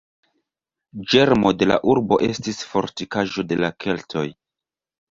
Ĝermo de la urbo estis fortikaĵo de la keltoj.